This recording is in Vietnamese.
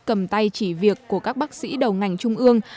cầm tay chỉ việc của các bác sĩ đầu ngành trung ương